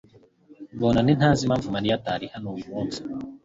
Bonane ntazi impamvu Mariya atari hano uyu munsi .